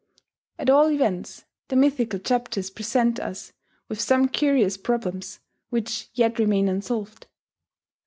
At all events their mythical chapters present us with some curious problems which yet remain unsolved.